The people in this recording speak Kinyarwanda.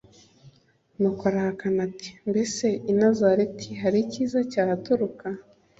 Nuko arahakana ati: « Mbese i Nazareti hari icyiza cyahaturuka? »